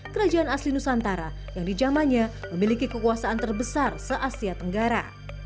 kerajaan asli nusantara yang di zamannya memiliki kekuasaan terbesar se asia tenggara